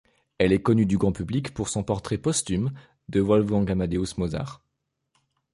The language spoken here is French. Elle est connue du grand public pour son portrait posthume de Wolfgang Amadeus Mozart.